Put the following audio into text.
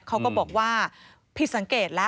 เขาก็บอกว่าผิดสังเกตแล้ว